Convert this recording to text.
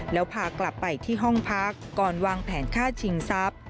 แล้วพากลับไปที่ห้องพักก่อนวางแผนฆ่าชิงทรัพย์